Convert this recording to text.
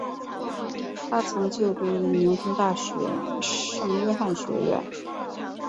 他曾就读于牛津大学圣约翰学院。